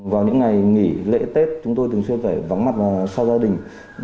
vào những ngày nghỉ lễ tết chúng tôi thường xuyên phải vắng mặt sau gia đình